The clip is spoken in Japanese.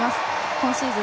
今シーズン